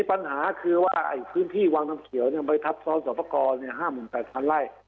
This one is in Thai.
ปัญหาคือว่าพื้นที่วังน้ำเขียวไปทับซ้อนสอบประกอบ๕๘๐๐ไร่